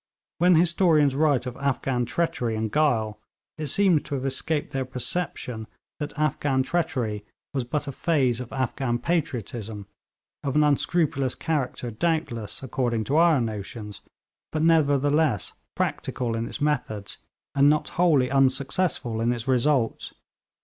When historians write of Afghan treachery and guile, it seems to have escaped their perception that Afghan treachery was but a phase of Afghan patriotism, of an unscrupulous character, doubtless, according to our notions, but nevertheless practical in its methods, and not wholly unsuccessful in its results.